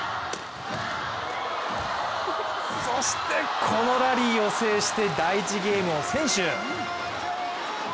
そしてこのラリーを制して第１ゲームを先取！